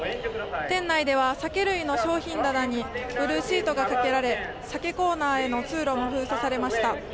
店内では酒類の商品棚にブルーシートがかけられ酒コーナーへの通路も封鎖されました。